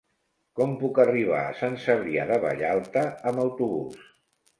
Com puc arribar a Sant Cebrià de Vallalta amb autobús?